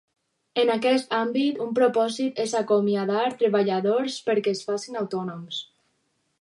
En aquest àmbit, un propòsit és acomiadar treballadors perquè es facin autònoms.